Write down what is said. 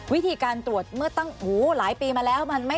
วิธีการตรวจเมื่อตั้งหลายปีมาแล้ว